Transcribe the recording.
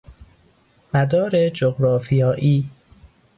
مدار جغرافیائی